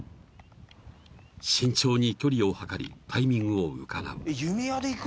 ［慎重に距離を測りタイミングをうかがう］